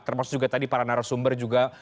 termasuk juga tadi para narasumber juga